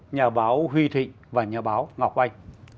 nhà báo huy thịnh và nhà báo ngọc anh